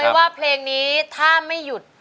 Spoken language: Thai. บอกเลยว่าเพลงนี้ถ้าไม่หยุด